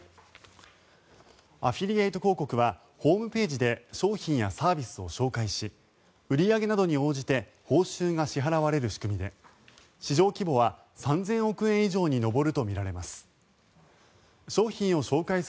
アフィリエイト広告はホームページで商品やサービスを紹介し売り上げなどに応じて報酬が支払われる仕組みで市場規模は３０００億円以上に上るとみられます。